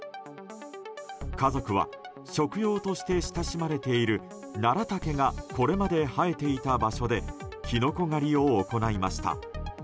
家族は食用として親しまれているナラタケがこれまで生えていた場所でキノコ狩りを行いました。